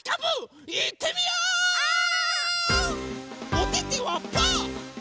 おててはパー。